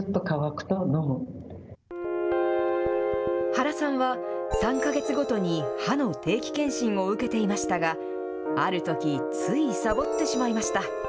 原さんは３か月ごとに歯の定期健診を受けていましたが、あるとき、ついさぼってしまいました。